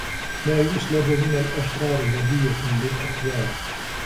ما يسلب من الأشرار هدية للأخيار.